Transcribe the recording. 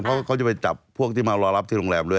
เพราะเขาจะไปจับพวกที่มารอรับที่โรงแรมด้วย